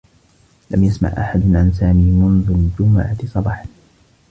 لم يسمع أحد عن سامي منذ الجمعة صباحا.